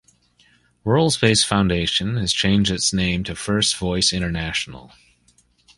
WorldSpace Foundation has changed its name to First Voice International.